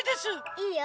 いいよ。